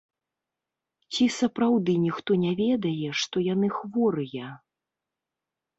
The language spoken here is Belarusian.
Ці сапраўды ніхто не ведае, што яны хворыя?